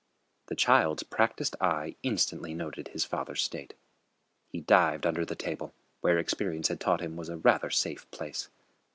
The child's practised eye instantly noted his father's state. He dived under the table, where experience had taught him was a rather safe place.